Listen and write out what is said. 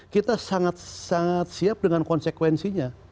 kita sangat sangat siap dengan konsekuensinya